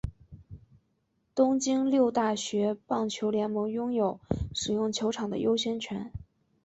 东京六大学棒球联盟拥有使用球场的优先权。